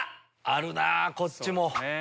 あるなぁこっちも。